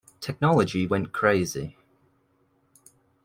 Technology went crazy.